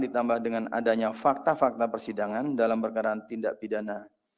ditambah dengan adanya fakta fakta persidangan dalam perkara tindak pidana